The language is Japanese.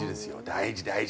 大事大事！